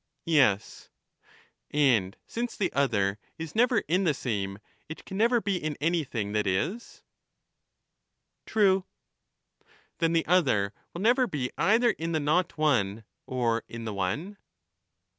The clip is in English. Yes. And since the other is never in the same, it can never be in anything that is. True. Then the other will never be either in the not one, or in the one